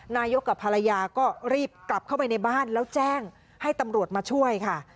นายกกับภรรยาก็รีบกลับเข้าไปในบ้านแล้วแจ้งให้ตำรวจมาช่วยค่ะ